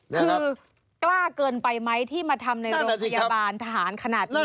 คือกล้าเกินไปไหมที่มาทำในโรงพยาบาลทหารขนาดนี้